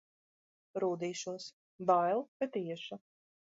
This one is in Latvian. Rūdīšos. Bail, bet iešu.